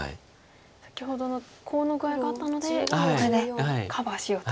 先ほどのコウの具合があったのでこれでカバーしようと。